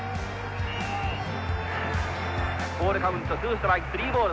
ボールカウントツーストライクスリーボール。